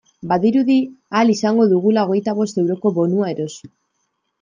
Badirudi ahal izango dugula hogeita bost euroko bonua erosi.